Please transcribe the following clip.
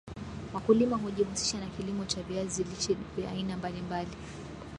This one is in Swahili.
Wakulima hujihusisha na kilimo cha viazi lishe vya aina mbali mbali